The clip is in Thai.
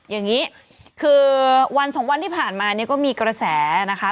อย่างนี้คือวันสองวันที่ผ่านมาเนี่ยก็มีกระแสนะคะ